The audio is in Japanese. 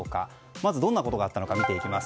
まずどんなことがあったのか見ていきます。